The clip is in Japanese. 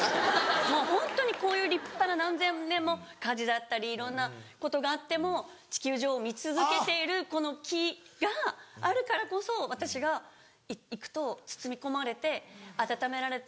もうホントにこういう立派な何千年も火事だったりいろんなことがあっても地球上を見続けているこの木があるからこそ私が行くと包み込まれて温められて。